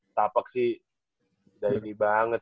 tapak sih udah ini banget